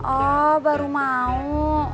oh baru mau